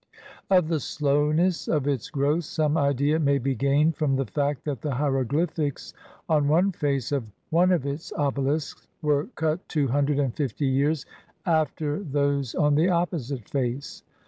Of the slowness of its growth some idea may be gained from the fact that the hieroglyphics on one face of one of its obelisks were cut two hundred and fifty years after those on the opposite face.